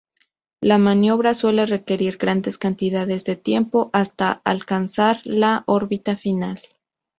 La maniobra suele requerir grandes cantidades de tiempo hasta alcanzar la órbita final.